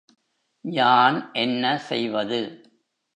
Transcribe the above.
யான் என்ன செய்வது?